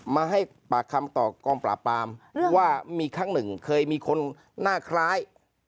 มาให้ปากคำต่อกองปราบปรามว่ามีครั้งหนึ่งเคยมีคนหน้าคล้าย